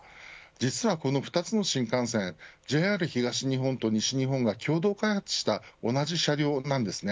実は、この２つの新幹線ＪＲ東日本と西日本が共同開発した同じ車両なんです。